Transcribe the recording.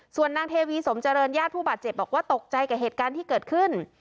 ส่วนนางเทวีสมเจริญญาติผู้บาดเจ็บบอกว่าตกใจกับเหตุการณ์ที่เกิดขึ้น